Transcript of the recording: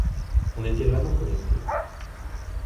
On était vraiment connectés.